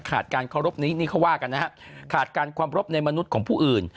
การเคารพนี้นี่เขาว่ากันนะฮะขาดการความรบในมนุษย์ของผู้อื่น